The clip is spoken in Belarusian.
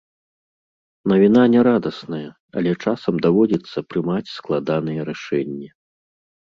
Навіна не радасная, але часам даводзіцца прымаць складаныя рашэнні.